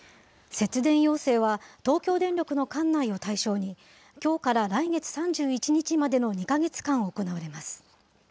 節電要請は東京電力の管内を対象に、きょうから来月３１日までの２か月間行われます。